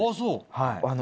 はい。